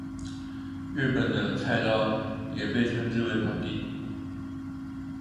日本的菜刀也被称之为庖丁。